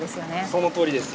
そのとおりです。